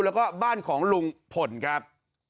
แล้วก็บ้านของลุงพลครับ